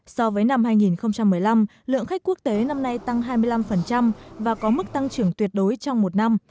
so với năm hai nghìn một mươi năm lượng khách quốc tế năm nay tăng hai mươi năm và có mức tăng trưởng tuyệt đối trong một năm